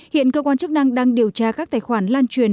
hiện cơ quan chức năng đang điều tra các tài khoản lan truyền